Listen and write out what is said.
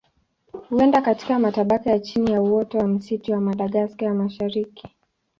Huenda katika matabaka ya chini ya uoto wa misitu ya Madagaska ya Mashariki.